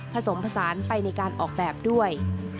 ผสมผสานไปในการออกแบบด้วย